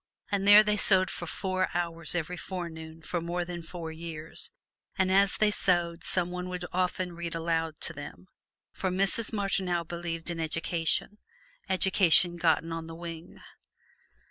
And there they sewed for four hours every forenoon for more than four years; and as they sewed some one would often read aloud to them, for Mrs. Martineau believed in education education gotten on the wing.